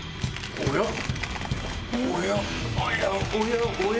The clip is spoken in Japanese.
おや？